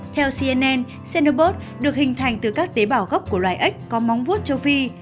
theo cnn xenobos được hình thành từ các tế bảo gốc của loài ếch có móng vuốt châu phi